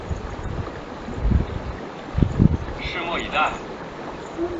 弗雷泽公园是位于美国加利福尼亚州克恩县的一个人口普查指定地区。